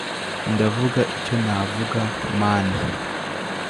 ndavuga icyo navuga, mana